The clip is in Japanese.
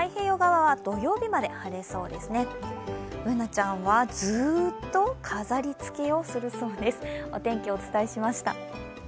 Ｂｏｏｎａちゃんはずっと飾りつけをするそうです。